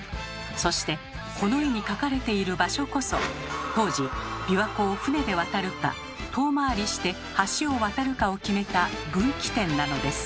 そしてこの絵に描かれている場所こそ当時琵琶湖を船で渡るか遠回りして橋を渡るかを決めた分岐点なのです。